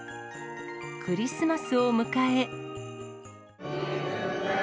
クリスマスを迎え。